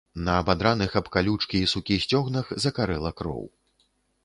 На абадраных аб калючкі і сукі сцёгнах закарэла кроў.